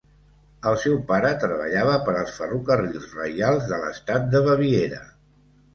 El seu pare treballava per als Ferrocarrils reials de l'estat de Baviera.